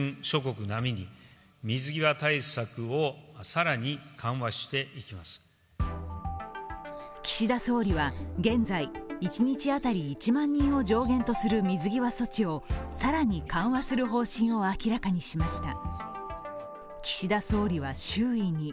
更に岸田総理は現在、一日当たり１万人を上限とする水際措置を更に緩和する方針を明らかにしました。